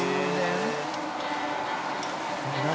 何？